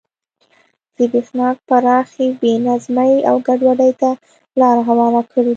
زبېښاک پراخې بې نظمۍ او ګډوډۍ ته لار هواره کړې ده.